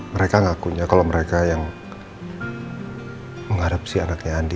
mereka ngakunya kalau mereka yang menghadap si anaknya andin